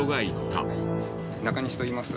中西といいます。